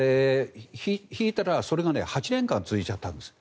引いたら、それが８年間続いちゃったんです。